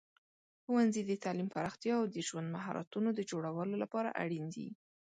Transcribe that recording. ښوونځي د تعلیم پراختیا او د ژوند مهارتونو د جوړولو لپاره اړین دي.